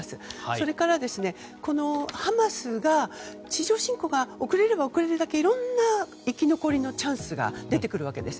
それから、ハマスが地上侵攻が遅れれば遅れるだけいろんな生き残りのチャンスが出てくるわけです。